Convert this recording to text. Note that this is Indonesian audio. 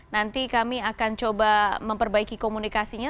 nanti kami akan coba memperbaiki komunikasinya